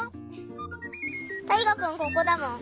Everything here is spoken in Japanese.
たいがくんここだもん。